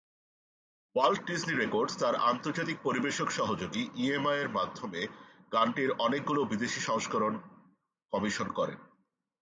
Walt Disney Records তার আন্তর্জাতিক পরিবেশক সহযোগী ইএমআই-এর মাধ্যমে গানটির অনেকগুলি বিদেশী সংস্করণ কমিশন করেন।